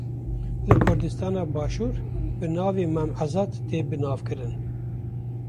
Li Kurdistana başûr bi navê Mam Azad tê bi nav kirin.